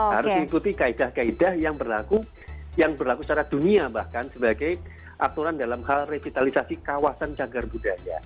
harus diikuti kaedah kaedah yang berlaku secara dunia bahkan sebagai aturan dalam hal revitalisasi kawasan cagar budaya